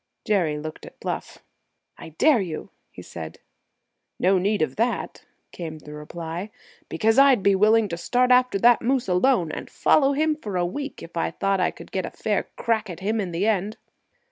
Jerry looked at Bluff. "I dare you!" he said. "No need of that," came the reply, "because I'd be willing to start after that moose alone, and follow him for a week, if I thought I could get a fair crack at him in the end."